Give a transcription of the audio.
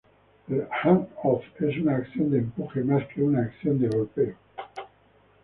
El hand off es una acción de empuje, más que una acción de golpeo.